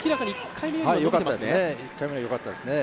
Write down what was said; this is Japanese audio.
１回目よりよかったですね